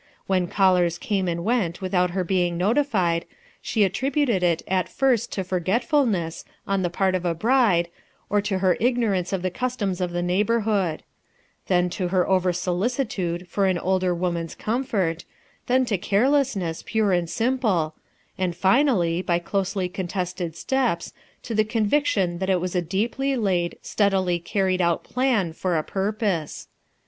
When callers came and went without her being "PUINS FOR A PURPOSE" 117 notiHcd, she attributed it at first to forgctfufoess, on the part of a bride, or to her ignorance of the customs of the neighborhood; then to her ovcr solicitudc for au older woman's comfort, then to carelessness, pure and simple, and finally, by closely contested steps, to the conviction that it was a deeply laid, steadily carricd out plan, for a purpose.